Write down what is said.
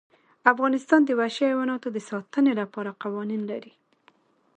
افغانستان د وحشي حیواناتو د ساتنې لپاره قوانین لري.